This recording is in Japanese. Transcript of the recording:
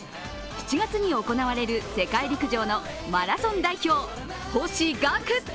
７月に行われる世界陸上のマラソン代表・星岳。